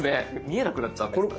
見えなくなっちゃうんですか。